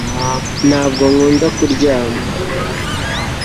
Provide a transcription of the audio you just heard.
ntabwo nkunda kuryamaa